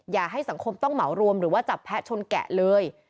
อย่าให้สังคมต้องเหมารวมหรือว่าจับแพะชนแกะเลย